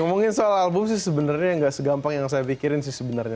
ngomongin soal album sih sebenarnya nggak segampang yang saya pikirin sih sebenarnya